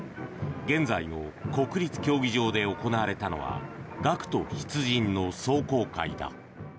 現在の国立競技場で行われたのは学徒出陣の壮行会だ。